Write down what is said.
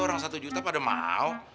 orang satu juta pada mau